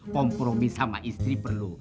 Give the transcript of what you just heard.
kompromi sama istri perlu